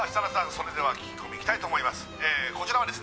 それでは聞き込みいきたいと思います